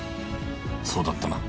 そうだったな。